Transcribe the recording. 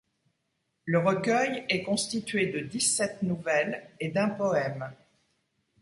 Le recueil est constitué de dix-sept nouvelles et d'un poème.